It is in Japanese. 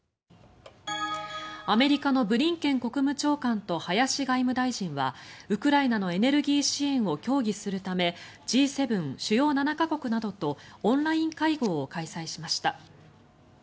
アメリカのブリンケン国務長官と林外務大臣はウクライナのエネルギー支援を協議するためＧ７・主要７か国などとオンライン会合を開催しました。